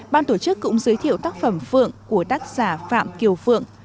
ban tổ chức cũng giới thiệu tác phẩm phượng của tác giả phạm kiều phượng